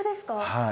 はい。